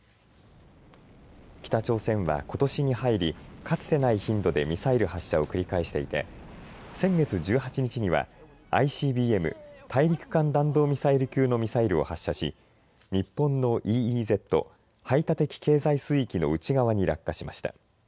北朝鮮はことしに入りかつてない頻度でミサイル発射を繰り返していて先月１８日にはＩＣＢＭ・大陸間弾道ミサイル級のミサイルを発射し日本のＥＥＺ・排他的経済水域の内側に落下しました。